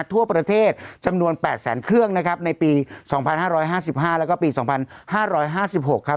ทั่วประเทศจำนวน๘แสนเครื่องนะครับในปี๒๕๕๕แล้วก็ปี๒๕๕๖ครับ